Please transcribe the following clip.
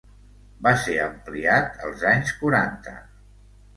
Va ser ampliat els anys quaranta.